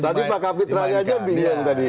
tadi pak kapitra aja bikin tadi